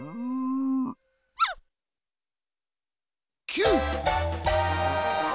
キュー。